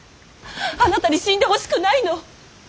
あなたに死んでほしくないの！